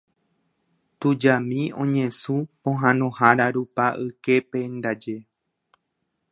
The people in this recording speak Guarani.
Tujami oñesũ pohãnohára rupa yképe ndaje.